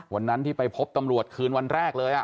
วันนั้นที่ไปพบตำรวจคืนวันแรกเลย